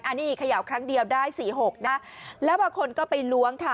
อันนี้เขย่าครั้งเดียวได้สี่หกนะแล้วบางคนก็ไปล้วงค่ะ